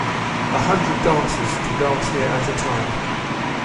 A hundred dancers can dance here at a time.